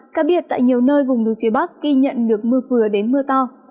cá biệt tại nhiều nơi vùng núi phía bắc ghi nhận được mưa vừa đến mưa to